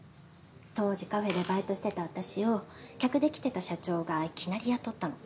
当時カフェでバイトしてた私を客で来てた社長がいきなり雇ったの。